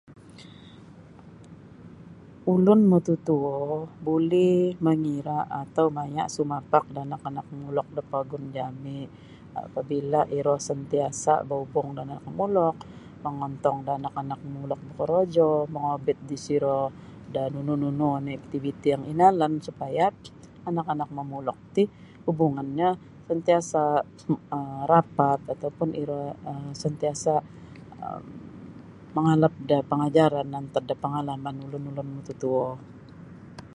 Ulun mututuo buli mangira' atau maya' sumapak da anak-anak momulok da pogun jami' apabila iro santiasa' baubung da anak momulok mongontong da anak-anak momulok bokorojo mongobit disiro da nunu-nunu oni' iktiviti yang inalan supaya anak-anak momulok ti hubungannyo santiasa' um rapat atau pun iro santiasa' um mangalap da pangajaran antad da pangalaman ulun-ulun mututuo.